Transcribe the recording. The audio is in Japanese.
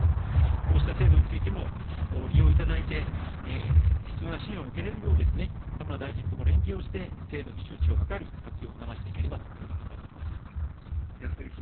こうした制度についても、利用いただいて、必要な支援を受けれるよう、田村大臣とも連携をして、制度の周知を図り、活用を促していければというふうに考えており安江君。